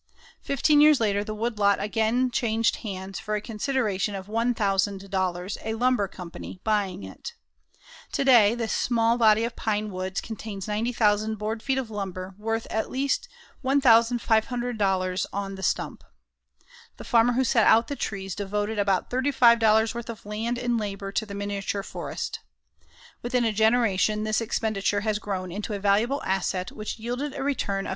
Fifteen years later the woodlot again changed hands for a consideration of $1,000, a lumber company buying it. Today, this small body of pine woods contains 90,000 board feet of lumber worth at least $1,500 on the stump. The farmer who set out the trees devoted about $35 worth of land and labor to the miniature forest. Within a generation this expenditure has grown into a valuable asset which yielded a return of $34.